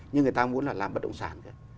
nhưng người ta muốn là làm bất động sản